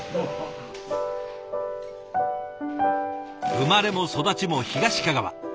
生まれも育ちも東かがわ。